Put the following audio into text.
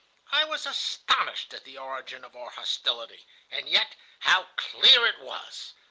"I was astonished at the origin of our hostility, and yet how clear it was!